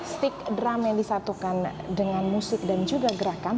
stick drum yang disatukan dengan musik dan juga gerakan